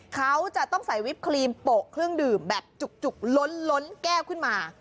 เขาจะต้องใส่วิปครีมโปะเครื่องดื่มแบบจุกล้นแก้วขึ้นมา